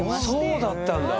そうだったんだ。